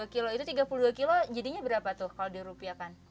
tiga puluh dua kilo itu tiga puluh dua kilo jadinya berapa tuh kalau dirupiakan